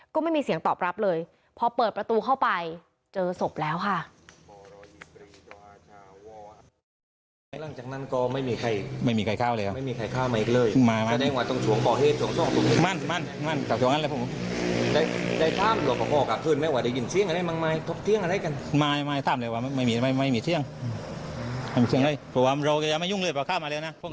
ก็ไม่มีเสียงตอบรับเลยพอเปิดประตูเข้าไปเจอศพแล้วค่ะ